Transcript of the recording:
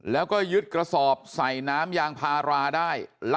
แล้วก็ยัดลงถังสีฟ้าขนาด๒๐๐ลิตร